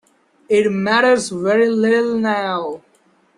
It matters very little now.